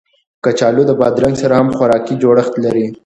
کچالو د بادرنګ سره هم خوراکي جوړښت لري